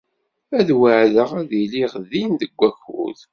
Ad weɛdeɣ ad iliɣ din deg wakud.